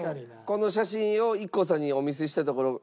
この写真をＩＫＫＯさんにお見せしたところ確かに。